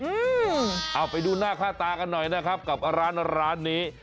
เอาไปดูหน้าค่าตากันหน่อยนะครับกับร้านร้านนี้